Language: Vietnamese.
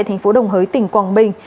thành phố đồng hới tỉnh quảng bình